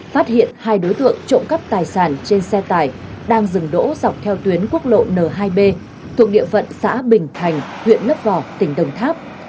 phát hiện hai đối tượng trộm cắp tài sản trên xe tải đang dừng đỗ dọc theo tuyến quốc lộ n hai b thuộc địa phận xã bình thành huyện lấp vò tỉnh đồng tháp